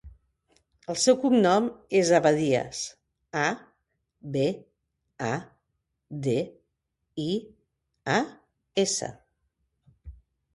El seu cognom és Abadias: a, be, a, de, i, a, essa.